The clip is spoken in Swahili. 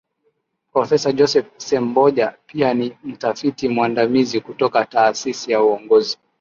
Profesa Joseph Semboja pia ni Mtafiti Mwandamizi kutoka taasisi ya Uongozi